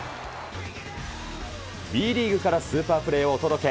Ｂリーグからスーパープレーをお届け。